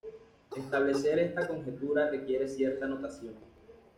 Establecer esta conjetura requiere cierta notación.